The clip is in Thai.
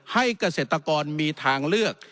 เกษตรกรมีทางเลือก